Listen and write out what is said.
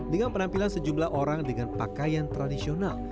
dengan penampilan sejumlah orang dengan pakaian tradisional